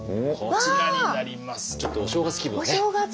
ちょっとお正月気分をね